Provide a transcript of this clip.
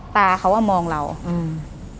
ตาเขาอ่ะมองเราอืม